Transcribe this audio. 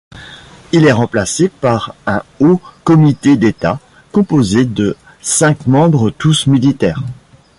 Il est remplacé par un Haut Comité d'État, composé de cinq membres tous militaires.